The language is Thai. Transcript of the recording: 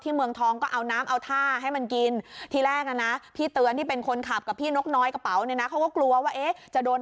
เหมือนมันฉลาดเหมือนกันนะคุณ